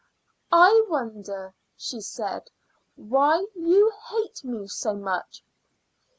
"I wonder," she said "why you hate me so much?'